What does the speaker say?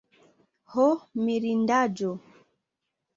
ho mirindaĵo!